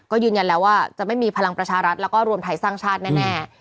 ก็ยืนยันแล้วว่าจะไม่มีพลังประชารัฐแล้วก็รวมไทยสร้างชาติแน่